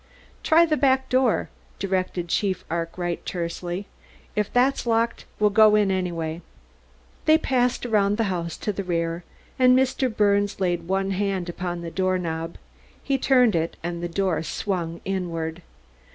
"Try the back door," directed Chief Arkwright tersely. "If that's locked we'll go in anyway." They passed around the house to the rear, and Mr. Birnes laid one hand upon the door knob. He turned it and the door swung inward.